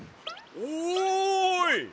おい！